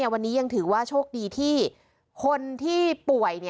วันนี้ยังถือว่าโชคดีที่คนที่ป่วย